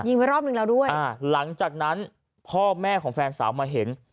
ไปรอบนึงแล้วด้วยอ่าหลังจากนั้นพ่อแม่ของแฟนสาวมาเห็น